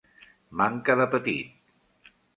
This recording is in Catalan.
Manca d'apetit!